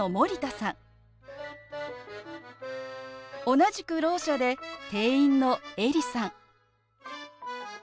同じくろう者で店員の映里さん。